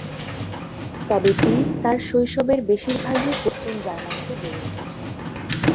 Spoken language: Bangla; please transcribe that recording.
তবে পির তার শৈশবের বেশিরভাগই পশ্চিম জার্মানিতে বেড়ে উঠেছেন।